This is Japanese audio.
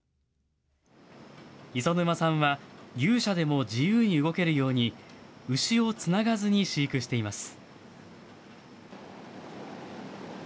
磯沼さんは、牛舎でも自由に動けるように、牛をつながずに飼育しています。